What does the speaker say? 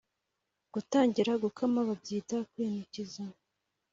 Gutangira Gukama babyita kwinikiza